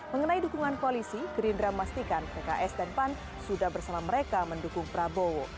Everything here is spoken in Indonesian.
mengenai dukungan koalisi gerindra memastikan pks dan pan sudah bersama mereka mendukung prabowo